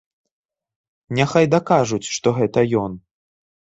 Няхай дакажуць, што гэта ён.